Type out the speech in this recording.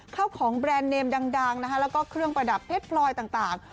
เข้าของแบรนด์เนยมดังและเครื่องประดับเพชรปลอยต่าง